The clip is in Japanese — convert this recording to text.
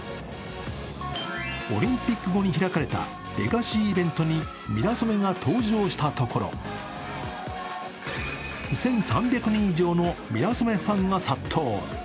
オリンピック後に開かれたレガシーイベントにミラソメが登場したところ、１３００人以上のミラソメファンが殺到。